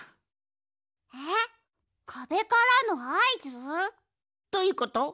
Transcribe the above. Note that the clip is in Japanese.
えっかべからのあいず？どういうこと？